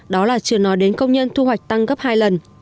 đó là chưa nói đến công nhân thu hoạch tăng gấp hai lần